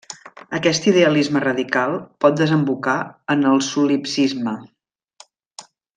Aquest idealisme radical pot desembocar en el solipsisme.